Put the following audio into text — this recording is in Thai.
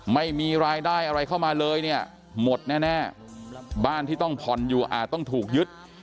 ไม่มีรายได้อะไรเข้ามาเลยเนี่ยหมดแน่บ้านที่ต้องผ่อนอยู่อาจต้องถูกยึด